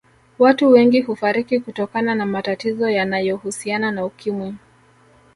Watu wengi hufariki kutokana na matatizo yanayohusiana na Ukimwi